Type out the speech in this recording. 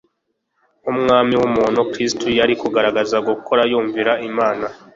Nk'Umwana w'umuntu, Kristo yari kugaragaza gukora yumvira Imana.